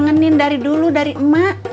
saya kangenin dari dulu dari emak